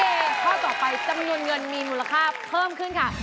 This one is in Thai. ข้อต่อไปจำนวนเงินมีมูลค่าเพิ่มขึ้นค่ะ